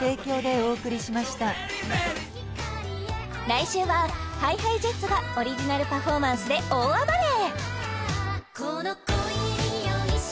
来週はＨｉＨｉＪｅｔｓがオリジナルパフォーマンスで大暴れ！